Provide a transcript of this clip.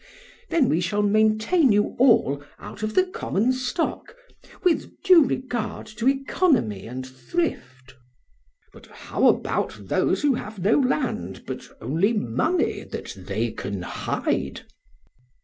Then we shall maintain you all out of the common stock, with due regard to economy and thrift. BLEPS. But how about those who have no land, but only money that they can hide?